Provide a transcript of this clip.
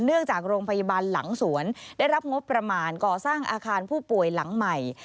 จากโรงพยาบาลหลังสวนได้รับงบประมาณก่อสร้างอาคารผู้ป่วยหลังใหม่